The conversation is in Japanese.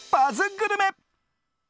グルメ。